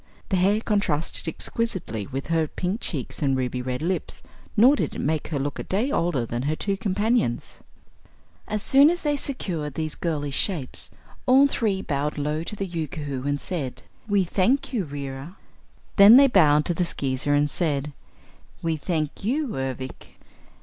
The hair contrasted exquisitely with her pink cheeks and ruby red lips, nor did it make her look a day older than her two companions. As soon as they secured these girlish shapes, all three bowed low to the Yookoohoo and said: "We thank you, Reera." Then they bowed to the Skeezer and said: "We thank you, Ervic."